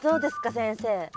先生。